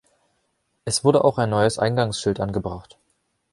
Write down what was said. Es wurde auch ein neues Eingangsschild angebracht.